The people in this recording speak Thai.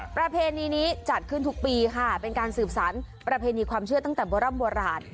ประเพณีนี้จัดขึ้นทุกปีค่ะเป็นการสืบสารประเพณีความเชื่อตั้งแต่โบร่ำโบราณ